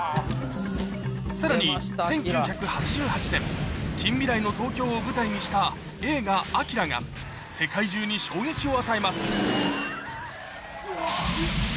さらに１９８８年、近未来の東京を舞台にした映画、ＡＫＩＲＡが世界中に衝撃を与えます。